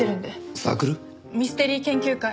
ミステリー研究会。